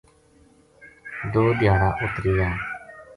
دو دھیاڑا اُت رہیا